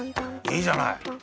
いいじゃない。